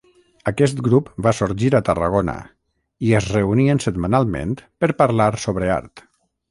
Aquest grup va sorgir a Tarragona i es reunien setmanalment per parlar sobre art.